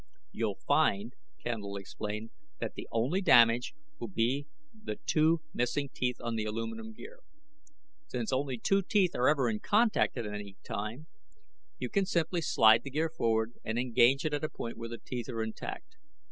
"You'll find," Candle explained, "that the only damage will be the two missing teeth on the aluminum gear. Since only two teeth are ever in contact at any time, you can simply slide the gear forward and engage it at a point where the teeth are intact.